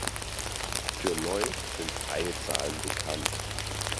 Für Lloyd sind keine Zahlen bekannt.